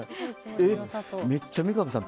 めっちゃ三上さん